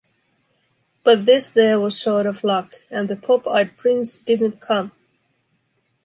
But this there was short of luck, and the pop-eyed prince didn't come.